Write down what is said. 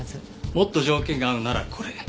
もっと条件が合うならこれ。